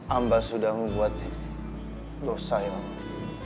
amba sudah membuat dosa ya allah